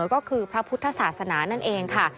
ก็คือพระพุทธศาสนานั่นเองค่ะ